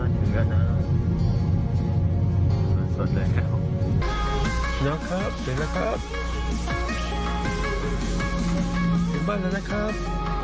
ถึงบ้านแล้วนะครับ